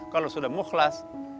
kalau sudah mukhlas